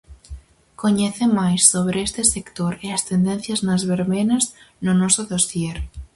Coñece máis sobre este sector e as tendencias nas verbenas no noso Dosier.